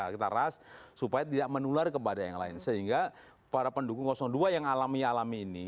kita ras supaya tidak menular kepada yang lain sehingga para pendukung dua yang alami alami ini